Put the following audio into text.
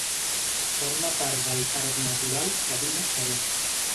Forma part del parc natural Cadí-Moixeró.